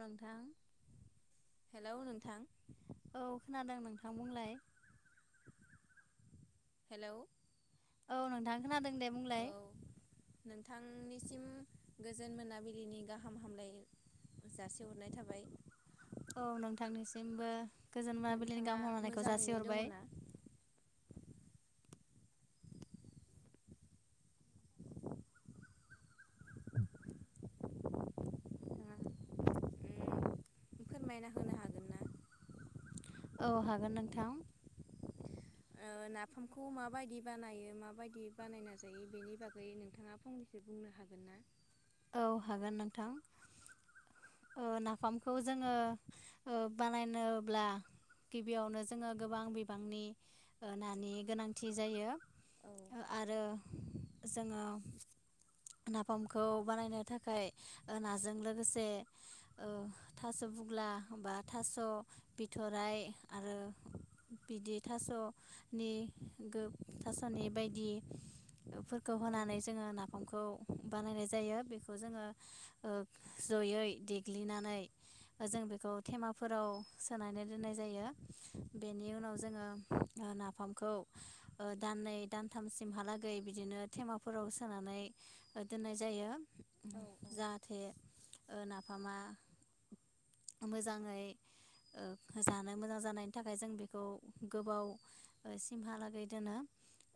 नोंथां हेल नोंथां औ खोनादों नोंथां बुंलाय हेलौ औ नोंथां खोनादों दे बुंलाय औ नोंथांनिसिम गोजोन मोनाबिलिनि गाहाम हामलाय जासिहरनाय थाबाय औ नोंथांनिसिमबो गोजोन मोनाबिलिनि नोंथाङा गाम हामलानायखौ मोजाङैनो जासिहरबाय दङना नोंथाङा ओ फोरमायना होनो हागोन ना औ हागोन नोंथां ओ नाफामखौ माबायदि बानायो माबायदि बानायना जायो बेनि बागै नोंथाङा फंनैसो बुंनो हागोन ना औ हागोन नोंथां नाफामखौ जोङो बानायनोब्ला गिबियावनो जोङो गोबां बिबांनि नानि गोनांथि जायो औ आरो जोङो नाफामखौ बानायनो थाखाय नाजों लोगोसे थास बुग्ला बा थास बिथराय आरो बिदि थासनि गोब थासनि बायदि फोर औ खौहोनानै जोङो नाफाम फनखौ बानायनाय जायो बेखौ जोङो ओ जयै देग्लिनानै ओ जों बेखौ थेमाफोराव सोनानै दोननाय जायो बेनि उनाव जोङो ओ नाफामखौ ओ दाननै दानथामसिमहालागै बिदिनो थेमाफोराव सोनानै ओ दोननाय जायो औ जाहाथे ओ नाफामा मोजाङै ओ जानो मोजां जानायनि थाखाय जों बेखौ गोबाव ओ सिमहालागै दोनो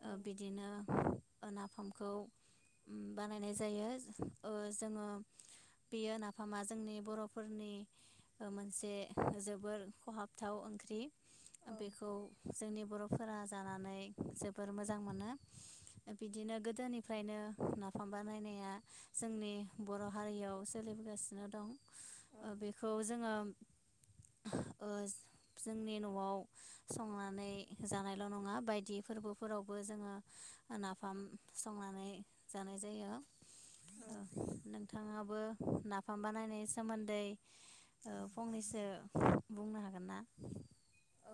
ओ औ बिदिनो ओ नाफामखौ ओम बानायनाय जायो ओ जोङो बेयो नाफामा जोंनि बर'फोरनि ओ मोनसे जोबोर खहाबथाव ओंख्रि ओ औ बेखौ जोंनि बर'फोरा जानानै जोबोर मोजां मोनो ओ बिदिनो गोदोनिफ्रायनो नाफाम बानायनाया जोंनि बर' हारियाव सोलिबोगासिनो दं औ ओ बेखौ जोङो ओ जो-जोंनि न'आव संनानै जानायल' नङा बायदि फोरबोफोरावबो जोङो ओ नाफाम संनानै जानाय जायो ओ नोंथाङा बो नाफाम बानायनायनि सोमोन्दै ओ फंनैसो बुंनो हागोन ना? औ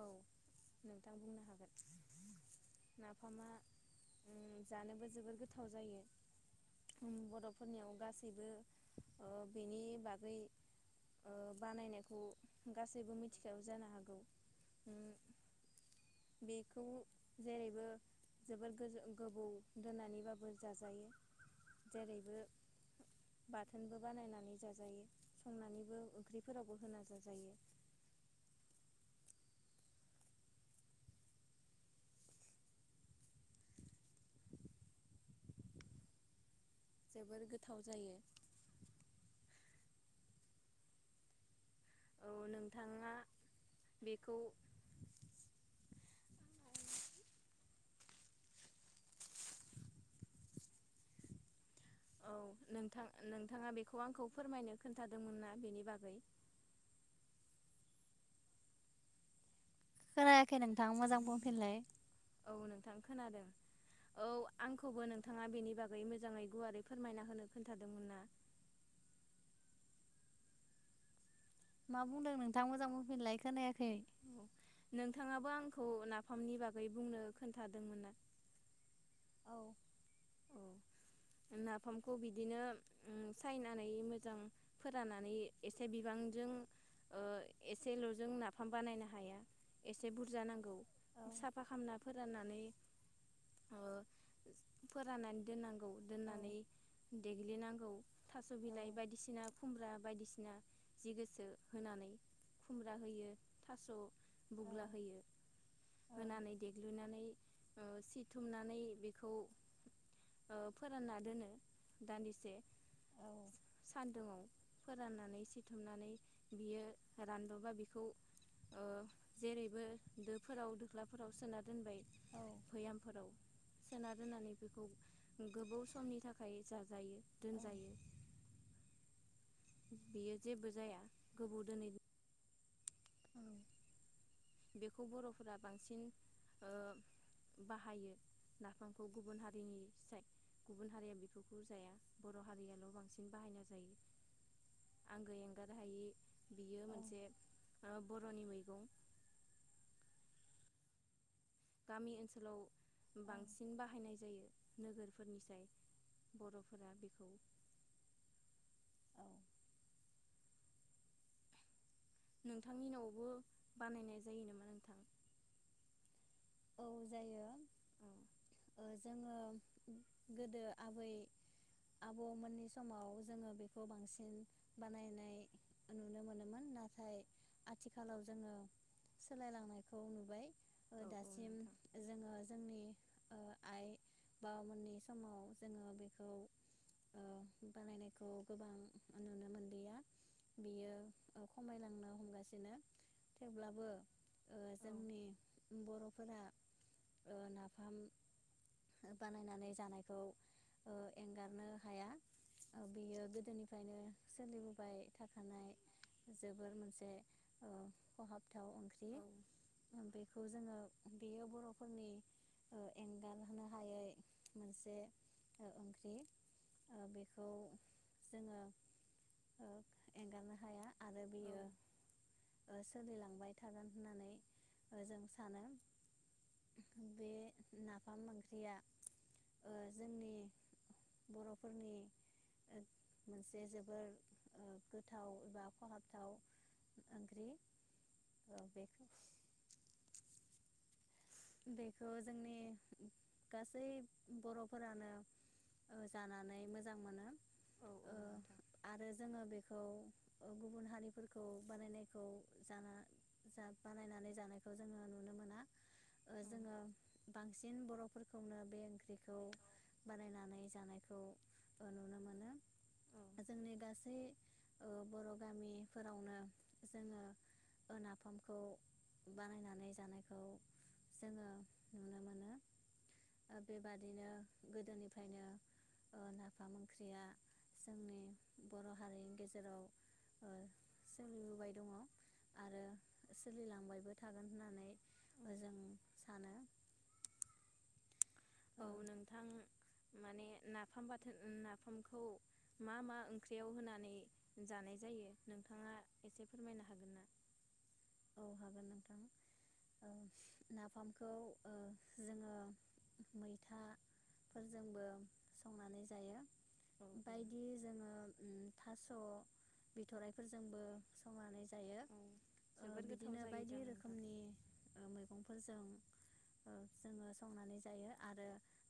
नोंथां बुंनो हागोन नाफामा अम जानोबो जोबोद गोथाव जायो अम बर'फोरनियाव गासैबो ओ बेनि बागै ओ बानायनायखौ गासैबो मिथिखागौ जानो हागौ अम बेखौ जेरैबो जोबोद गोजो गोबौ दोननानैबाबो जाजायो जेरैबो बाथोनबो बानायनानै जाजायो संनानैबो ओंख्रिफोरावबो होना जाजायो। जोबोर गोथाव जायो औ नोंथाङा बेखौ औ नोंथां नोंथाङा बेखौ आंखौ फोरमायनो खोन्थादोंमोन ना बेनि बागै खोनायाखै नोंथां मोजां बुंफिनलाय औ नोंथां खोनादों औ आंखौबो नोंथाङा बेनि बागै मोजाङै गुवारै फोरमायना होनो खोन्थादोंमोन ना मा बुंदों नोंथाङा मोजां बुंफिनलाय खोनायाखै औ नोंथाङाबो आंखौ नाफामनि बागै बुंनो खोन्थादोंमोन ना औ नाफामखौ बिदिनो अम सायनानै मोजां फोराननानै एसे बिबांजों ओ एसेल'जों नाफाम बानायनो हाया एसे बुरजा नांगौ साफा खामना फोराननानै ओ फोराननानै दोननां गौ दोननानै देग्लिनांगौ थास' बिलाइ बायदिसिना खुमब्रा बायदिसिना जि गोसो होनानै खुमब्रा होयो थास' बुग्ला होयो होनानै देग्लुिनानै ओ सिथुमनानै बेखौ ओ फोरानना दोनो दान्दिसे सा सान्दुंआव फोराननानै सिथुमनानै बियो रानबाबा बिखौ ओ जेरैबो दोफोराव दोख्लाफोराव सोना दोनबाय भैयामफोराव सोना दोननानै बेखौ गोबौ समनि थाखाय जाजायो दोनजायो बियो जेबो जाया गोबौ दोनै बेखौ बर'फोरा बांसिन ओ बाहायो नाफामखौ गुबुन हारिनि साइ गुबुन हारिया बेफोरखौ जाया बर' हारियाल' बांसिन बाहायना जायो आंगो एंगार हायि बियो मोनसे ओ बर'नि मैगं गामि ओनसोलाव बांसिन बाहायनाय जायो नोगोरफोरनिसाय बर'फोरा बेखौ नोंथांनि न'आवबो बानायनाय जायो नामा नोंथां? औ जायो औ ओ जोङो गोदो आबै आबौमोननि समाव जोङो बेखौ बांसिन बानायनाय नुनो मोनोमोन नाथाय आथिखालाव जोङो सोलायलांनायखौ नुबाय ओ औ दासि औ इम नोंथां जोङो जोंनि ओ आइ बाबामोननि समाव जोङो बेखौ ओ बानायनायखौ गोबां नुनो मोनलिया बियो ओ खमायलांनो हमगासिनो थेवब्लाबो ओ औ जोंनि बर' फोरा ओ नाफाम बानायनानै जानायखौ ओ एंगारनो हाया बियो ओ गोदोनिफ्रायनो सोलिबोबाय थाखानाय जोबोर मोनसे ओ खहाबथाव ओंख्रि औ बेखौ जोङो बेयो बर'फोरनि ओ एंगारनो हायै मोनसे ओ ओंख्रि ओ बेखौ जोङो ओ एंगारनो हाया आरो औ बियो ओ सोलिलांबाय थागोन होननानै जों सानो बे नाफाम ओंख्रिया ओ जोंनि बर'फोरनि ओद मोनसे जोबोर ओ गोथाव एबा खहाबथाव ओंख्रि ओ बेखौ बेखौ जोंनि गासै बर'फोरानो ओ जानानै मोजां मोनो औ औ ओ नोंथां आरो जोङो बेखौ ओ गुबुन हारिफोरखौ बानायनायखौ जाना जा बानायनानै जानायखौ जोङो नुनो मोना ओ जोङो बांसिन बर'फोरखौनो बे ओंख्रिखौ औ बानायनानै जानायखौ ओ नुनो मोनो औ जोंनि गासै ओ बर' गामिफोरावनो जोङो ओ नाफामखौ बानायनानै जानायखौ जोङो नुनो मोनो ओ बेबादिनो गोदोनिफ्रायनो ओ नाफाम ओंख्रिया जोंनि बर'हारिनि गेजेराव ओ सोलिबोबाय दङ आरो सोलिलांबायबो थागोन होननानै ओ औ जों सानो औ नोंथां माने नाफाम बाथोन नाफामखौ मा मा ओंख्रियाव होनानै जानाय जायो नोंथाङा एसे फोरमायनो हागोन ना? औ हागोन नोंथां ओ नाफामखौ ओ जोङो मैथाफोरजोंबो संनानै जायो औ बायदि जोङो अम थास'बिथराइफोरजोंबो संनानै जायो औ ओ जोबोर गोथाव बिदिनो जायो बायदि जां नोंथां रोखोमनि ओ मैगंफोरजों ओ जोङो संनानै जायो आरो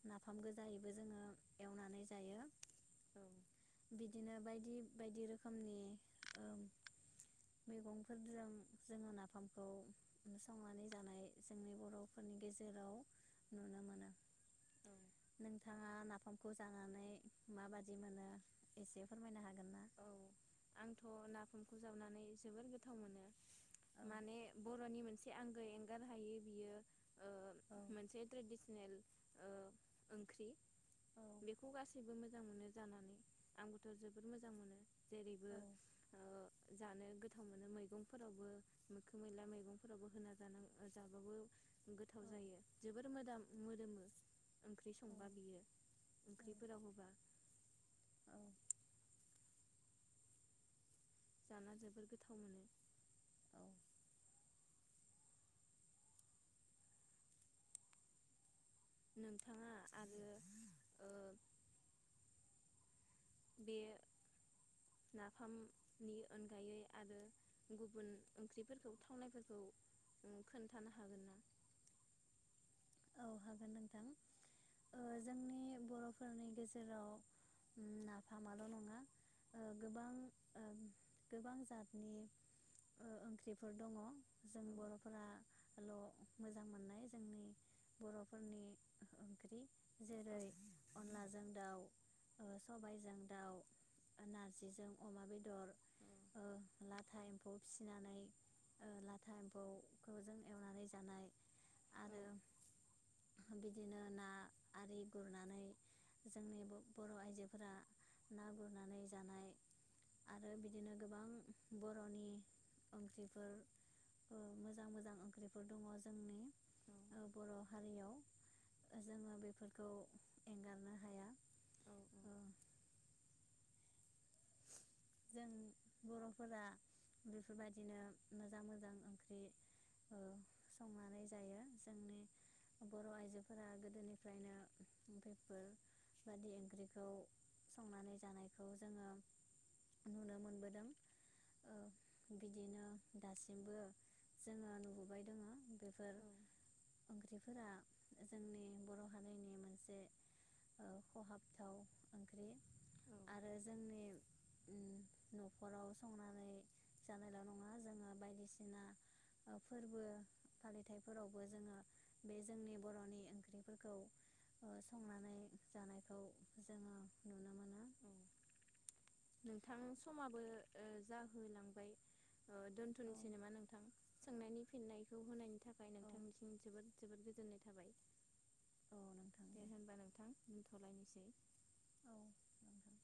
नाफाम गोजायैबो जोङो एवनानै जायो औ बिदिनो बायदि-बायदि रोखोमनि ओ मैगंफोदजों जोङो नाफामखौ संनानै जानाय जोंनि बर'फोरनि गेजेराव नुनो मोनो औ नोंथाङा नाफामखौ जानानै माबादि मोनो एसे फोरमायनो हागोन ना? औ आंथ'नाफामखौ जावनानै जोबोर गोथाव मोनो औ माने बर'नि मोन एसे आंगो एंगार हायो बियो ओ मोनसे ट्रेडिसनेल ओ ओंख्रि औ औ बेखौ गासैबो मोजां मोनो जानानै आंबोथ' जबोर मोज मोजां मोनो औ जेरैबो ओ जानो गोथाव मोनो मैगंफोरावबो मोखोम मैला मैगंफोरावबो होना जानो जाबाबो गोथाव औ जायो। जोबोर मोदाम मोदोमो ओंख्रि संबा बियो ओंख्रिफोराव होबा औ जाना जोबोर गोथाव मोनो। औ नोंथाङा आरो ओ बे नाफामनि अनगायै आरो गुबुन ओंख्रिफोरखौ थावनायफोरखौ उम खोन्थानो हागोन ना? औ हागोन नोंथां ओ जोंनि बर'फोरनि गेजेराव नाफामाल' नङा ओ गोबां ओ गोबां जाथनि ओ ओंख्रिफोर दङ जों औ बर'फोराल' मोजां मोननाय जोंनि बर'फोरनि ओंख्रि औ जेरै अनलाजों दाउ ओ सबायजों दाउ ओ नारजिजों अमा बेदर ओ लाथा एम्फौ फिसिनानै ओ लाथा एम्फौखौ जों एवनानै जानाय औ आरो बिदिनो ना आरि गुरनानै जोंनि ब-बर' आइजोफोरा ना गुरनानै जानाय आरो बिदिनो गोबां बर'नि ओंख्रिफोर ओ मोजां मोजां ओंख्रिफोर दङ जोंनि औ ओ बर' हारियाव जोङो बेफोरखौ एंगारनो हाया। औ ओ उम बर'फोरा बेफोरबायदिनो मोजां मोजां ओंख्रि ओ संनानै जायो। जोंनि बर' आइजोफोरा गोदोनिफ्रायनो बेफोर बादि ओंख्रिखौ संनानै जानायखौ जोङो नुनो मोनबोदों ओ बिदिनो दासिमबो जोङो नुबोबाय दोङो बेफोर औ ओंख्रिफोरा जोंनि बर' हारिनि मोनसे औ खहाबथाव ओंख्रि औ आरो जोंनि न'खराव संनानै जानायल' नङा जोङो बायदिसिना ओफोरबो फालिथायफोरावबो जोङो बे जोंनि बर'नि ओंख्रिफोरखौ ओ संनानै जानायखौ जोङो नुनो मोनो। औ नोंथां समाबो ओ जाहोलांबाय ओ औ दोनथनोसै नामा नोंथां। सोंनायनि फिननायखौ होनायनि थाखाय औ नोंथांनिसिम जोबोद जोबोद गोजोननाय थाबाय। औ नोंथां दे होमबा नोंथां। थलायनोसै। औ नोंथां